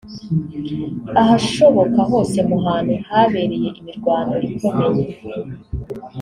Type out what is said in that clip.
Ahashoboka hose mu hantu habereye imirwano ikomeye